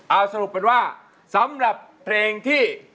เอาสรุปเป็นว่าสำหรับเพลงที่